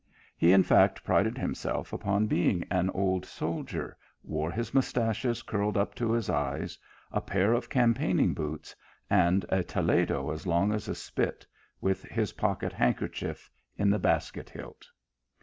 He in fact prided himself upon being an old soldier, wore his mustachios curled up to his eyes, a pair of campaigning boots, and a toledo as long as a spit, with his pocket handkerchief in the basket hilt.